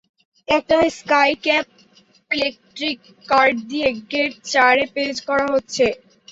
একটা skycap electric cart দিয়ে gate চারে পেজ করা হচ্ছে।